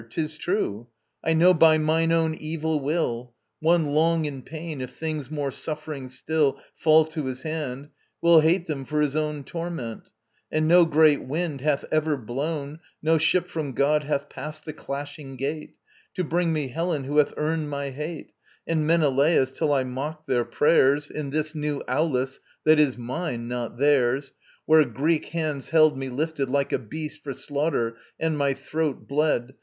'Tis true: I know by mine own evil will: One long in pain, if things more suffering still Fall to his hand, will hate them for his own Torment ... And no great wind hath ever blown, No ship from God hath passed the Clashing Gate, To bring me Helen, who hath earned my hate, And Menelaus, till I mocked their prayers In this new Aulis, that is mine, not theirs: Where Greek hands held me lifted, like a beast For slaughter, and my throat bled.